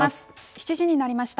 ７時になりました。